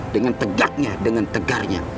dengan tegaknya dengan tegarnya